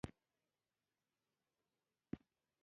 بهاولپور او سند امیرانو مالیات نه وه ورکړي.